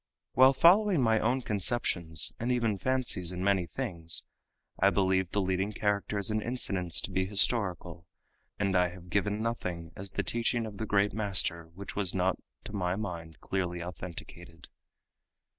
While following my own conceptions and even fancies in many things, I believe the leading characters and incidents to be historical, and I have given nothing as the teaching of the great master which was not to my mind clearly authenticated.